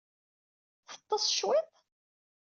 Teḍḍes cwiṭ?